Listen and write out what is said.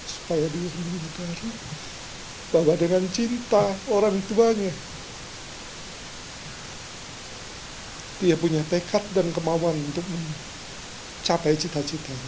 supaya dia menyadari bahwa dengan cinta orang tuanya dia punya tekad dan kemauan untuk mencapai cita cita